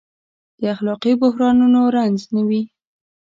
د اخلاقي بحرانونو رنځ نه وي.